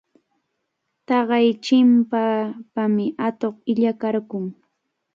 Taqay chimpapami atuq illakarqun.